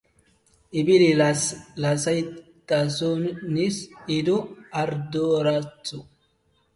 Ibili lasaitasunez edo arduratsu.